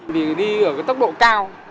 vì đi ở cái tốc độ cao